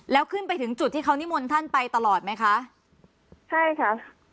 แล้วขึ้นไปถึงจุดที่เขานิมนต์ท่านไปตลอดไหมคะใช่ค่ะ